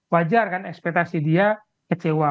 wajar kan ekspektasi dia kecewa